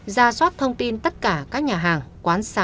ra soát thông tin tất cả các nhà hàng quán xá